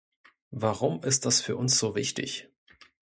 Warum ist das für uns so wichtig?